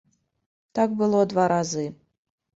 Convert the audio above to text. Так было два разы.